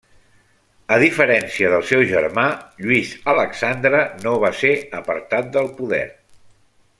A diferència del seu germà, Lluís Alexandre no va ser apartat del poder.